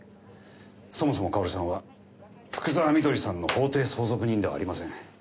そもそもかおるさんは福沢美登里さんの法定相続人ではありません。